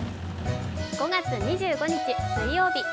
５月２５日水曜日。